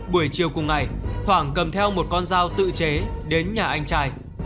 buổi chiều cùng ngày khoảng cầm theo một con dao tự chế đến nhà anh trai